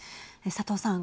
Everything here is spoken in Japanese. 佐藤さん。